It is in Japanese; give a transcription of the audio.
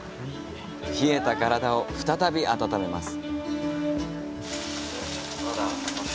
冷えた体を再び温めます。